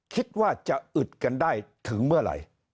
คิดว่าจะอึดกันได้ถึงเมื่อไหร่